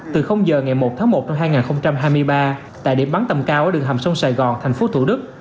từ giờ ngày một tháng một năm hai nghìn hai mươi ba tại điểm bắn tầm cao ở đường hầm sông sài gòn thành phố thủ đức